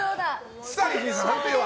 伊集院さん、判定は？